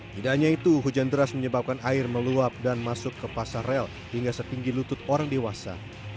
tidak hanya itu hujan deras menyebabkan air meluap dan masuk ke pasar rel hingga setinggi lutut orang dewasa